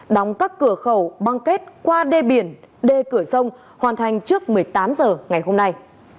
đóng các cửa khẩu băng kết qua đê biển đê cửa sông hoàn thành trước một mươi tám h ngày hôm nay